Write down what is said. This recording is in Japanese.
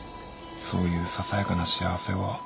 「そういうささやかな幸せを」